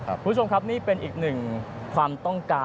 คุณผู้ชมครับนี่เป็นอีกหนึ่งความต้องการ